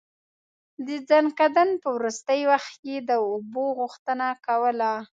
د ځنکدن په وروستی وخت يې د اوبو غوښتنه کوله.